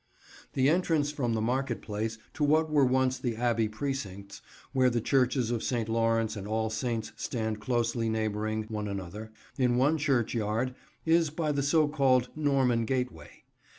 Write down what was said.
The entrance from the Market Place to what were once the Abbey precincts, where the churches of St. Lawrence and All Saints stand closely neighbouring one another, in one churchyard, is by the so called Norman Gateway.